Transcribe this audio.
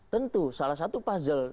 tentu salah satu puzzle